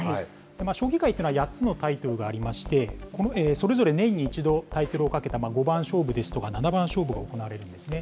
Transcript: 将棋界っていうのは、８つのタイトルがありまして、それぞれ年に１度、タイトルをかけた五番勝負ですとか七番勝負が行われるんですね。